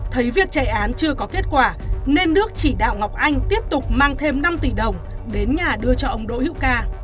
thấy việc chạy án chưa có kết quả nên đức chỉ đạo ngọc anh tiếp tục mang thêm năm tỷ đồng đến nhà đưa cho ông đỗ hữu ca